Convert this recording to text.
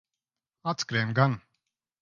Atskrien gan.